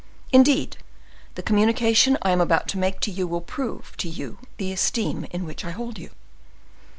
Indeed, the communication I am about to make to you will prove to you the esteem in which I hold you."